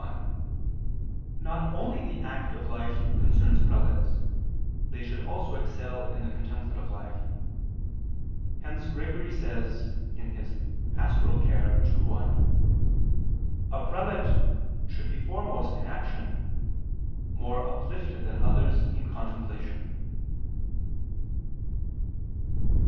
1: Not only the active life concerns prelates, they should also excel in the contemplative life; hence Gregory says (Pastor. ii, 1): "A prelate should be foremost in action, more uplifted than others in contemplation."